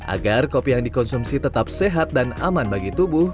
agar kopi yang dikonsumsi tetap sehat dan aman bagi tubuh